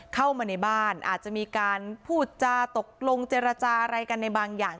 เข้ามาในบ้านอาจจะมีการพูดจาตกลงเจรจาอะไรกันในบางอย่าง